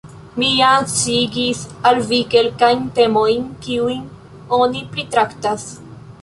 Mi jam sciigis al vi kelkajn temojn, kiujn oni pritraktas.